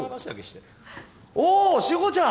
おお志保ちゃん！